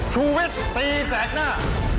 ชูวิทย์ตีแสกหน้า